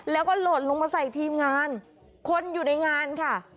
แล้วก็หล่นลงมาใส่ทีมงานคนอยู่ในงานค่ะ